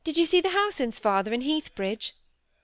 Did you see the Howsons, father, in Heathbridge?"